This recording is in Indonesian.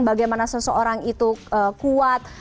bagaimana seseorang itu kuat